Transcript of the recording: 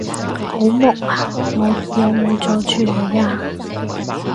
好忙呀？我有冇阻住你呀？